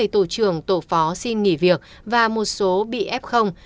trưởng tổ phó xin nghỉ việc và một số bị ép không